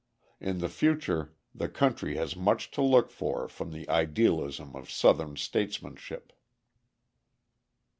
In the future the country has much to look for from the idealism of Southern statesmanship.